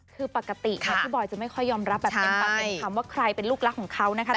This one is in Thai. คือปกติค่ะพี่บอยจะไม่ค่อยยอมรับแบบเต็มความเต็มคำว่าใครเป็นลูกรักของเขานะคะ